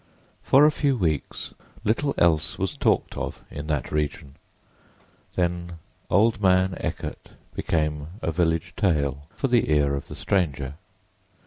For a few weeks little else was talked of in that region; then "old man Eckert" became a village tale for the ear of the stranger.